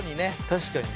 確かに。